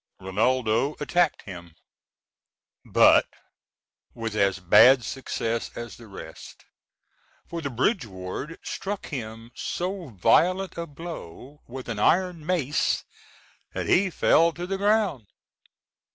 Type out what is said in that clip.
Rinaldo attacked him, but with as bad success as the rest, for the bridge ward struck him so violent a blow with an iron mace that he fell to the ground.